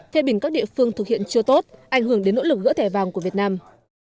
phê bình các địa phương thực hiện chưa tốt ảnh hưởng đến nỗ lực gỡ thẻ vàng của việt nam